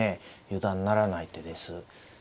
油断ならない手です。